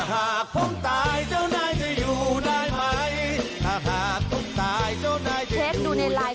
ถ้าหากผมตายเจ้านายจะอยู่ได้ไหม